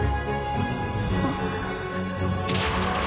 あっ。